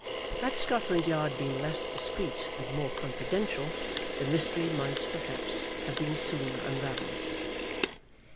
Had Scotland Yard been less discreet and more confidential, the mystery might, perhaps, have been sooner unravelled.